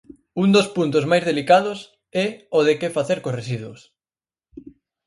Un dos puntos máis delicados é o de que facer cos residuos.